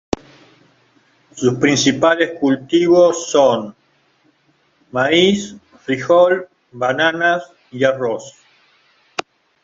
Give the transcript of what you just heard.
Sus principales cultivos son: maíz, frijol, bananas y arroz.